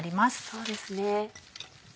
そうですね。